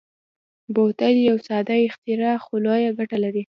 بوتل یو ساده اختراع خو لویه ګټه لري.